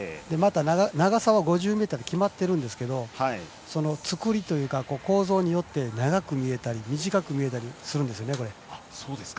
長さは５０ｍと決まってるんですがその構造によって長く見えたり短く見えたりするんですよね。